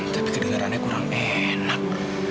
tapi kedengarannya kurang enak